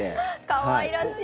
かわいらしい。